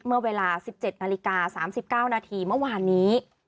เมื่อเวลา๑๗นาฬิกา๓๙นาทีเมื่อวานนี้